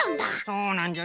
そうなんじゃ。